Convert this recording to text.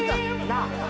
なあ。